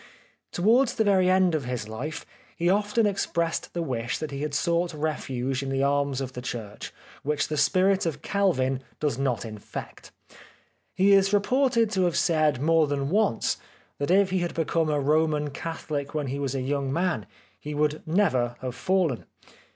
Towards the very end of his life he often ex pressed the wish that he had sought refuge in the arms of the church which the spirit of Calvin does not infect. He is reported to have said more than once that if he had become a Roman Catholic when he was a young man he would never have fallen.